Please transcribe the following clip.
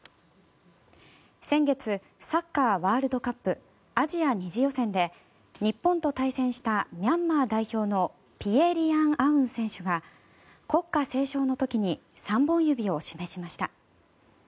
先月、サッカーワールドカップアジア２次予選で日本と対戦したミャンマー代表のピエ・リヤン・アウン選手が国歌斉唱の時に３本指を示しました。